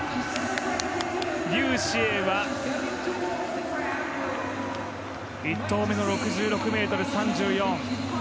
リュウ・シエイは１投目の６６ｍ３４。